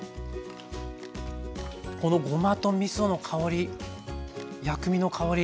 このごまとみその香り薬味の香り